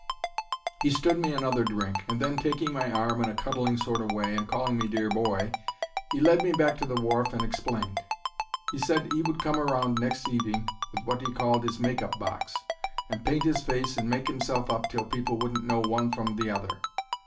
He stood me another drink, and then, taking my arm in a cuddling sort o' way, and calling me "Dear boy," 'e led me back to the wharf and explained. He said 'e would come round next evening with wot 'e called his make up box, and paint 'is face and make 'imself up till people wouldn't know one from the other.